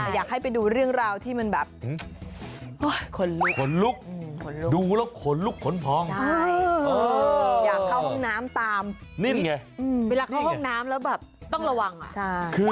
อยากให้ไปดูเรื่องราวที่ขนลุก